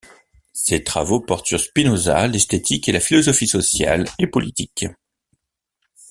Ses travaux portent sur Spinoza, l'esthétique et la philosophie sociale et politique.